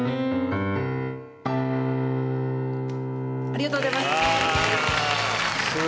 ありがとうございます。